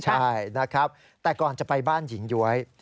ใช่นะครับแต่ก่อนจะไปบ้านหญิงย้วย